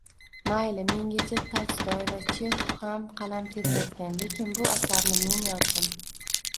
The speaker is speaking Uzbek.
Mayli, mengacha Tolstoy va Chexov ham qalam tebratgan, lekin bu asarni men yozdim